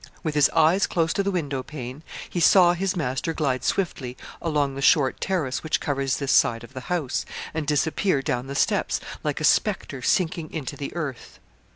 With his eyes close to the window pane, he saw his master glide swiftly along the short terrace which covers this side of the house, and disappear down the steps, like a spectre sinking into the earth.